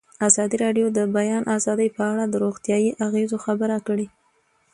ازادي راډیو د د بیان آزادي په اړه د روغتیایي اغېزو خبره کړې.